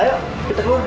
ayo kita keluar